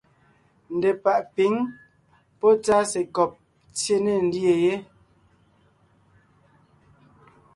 Ndepàʼ pǐŋ pɔ́ tsásekɔb tsyé ne ńdyê yé.